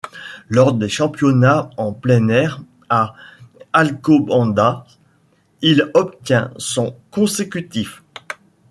Lors des championnats en plein air à Alcobendas, il obtient son consécutif.